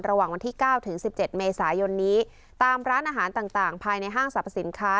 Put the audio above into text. วันที่เก้าถึงสิบเจ็ดเมษายนนี้ตามร้านอาหารต่างภายในห้างสรรพสินค้า